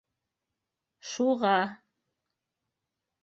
Шуға.